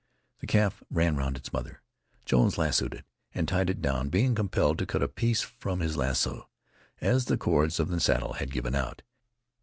The calf ran round its mother. Jones lassoed it, and tied it down, being compelled to cut a piece from his lasso, as the cords on the saddle had given out.